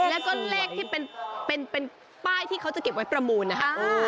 และก็เป็นป้ายที่เขาจะเก็บไว้ประมูลนะ